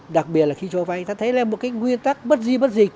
đấy là một cái nguyên tắc bất di bất dịch